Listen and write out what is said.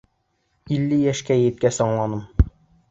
Илле йәшкә еткәс аңланым.